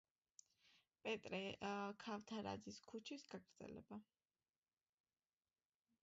პეტრე ქავთარაძის ქუჩის გაგრძელება.